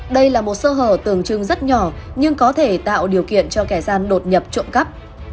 đây là một sơ hở tưởng trưng rất nhỏ nhưng có thể tạo điều kiện cho kẻ gian đột nhập trộm cắp